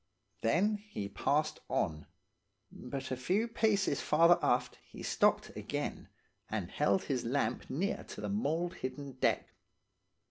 Then he passed on; but a few paces farther aft he stopped again, and held his lamp near to the mould hidden deck.